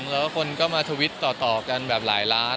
แล้วก็คนก็มาทวิตต่อกันแบบหลายล้าน